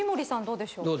どうでしょう？